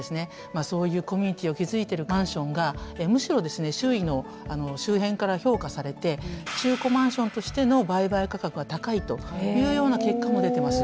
そういうコミュニティを築いてるマンションがむしろ周囲の周辺から評価されて中古マンションとしての売買価格が高いというような結果も出てます。